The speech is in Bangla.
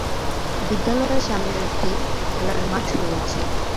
বিদ্যালয়ের সামনে একটি খেলার মাঠ রয়েছে।